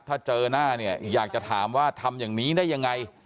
ถ้าเจอหน้าเนี่ยอยากจะถามว่าทำอย่างนี้ได้ยังไง